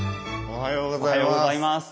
おはようございます。